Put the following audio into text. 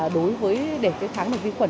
đối với để kháng được vi khuẩn